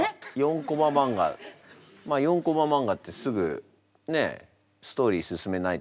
まあ４コマ漫画ってすぐねストーリー進めないといけないから。